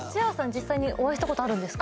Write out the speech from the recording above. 実際にお会いしたことあるんですか？